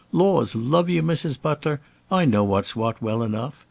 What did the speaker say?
Laws love you, Mrs. Butler, I know what's what well enough.